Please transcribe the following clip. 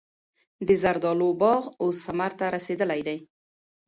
د زردالو باغ اوس ثمر ته رسېدلی دی.